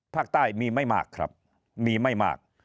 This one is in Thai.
ภาคใต้มีไม่มากครับมีไม่มาก